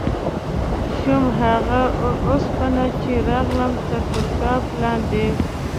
شوم هغه اوسپنه چې راغلم تر رکاب لاندې